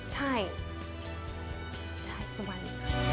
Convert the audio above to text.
ใช่อย่างนั้นนิ